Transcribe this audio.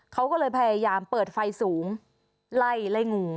เขาก็เลยพยายามเปิดไฟสูงไล่ไล่งู